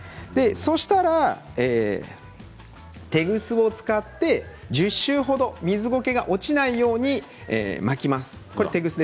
そうしたらテグスを使って１０周ほど水ゴケが落ちないように巻きます。